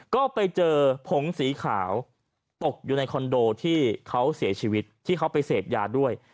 ก็ไปเจอผงสีขาวตกอยู่ในคอนโดที่เขาเสียชีวิตที่เขาไปเสพยาด้วย